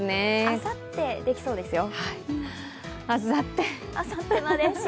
あさって、できそうですよ。